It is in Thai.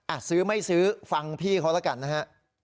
อ่ะซื้อไม่ซื้อฟังพี่เขาแล้วกันนะฮะ